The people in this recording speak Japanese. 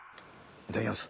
いただきます。